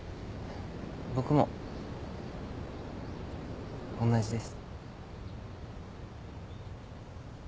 僕も同じです。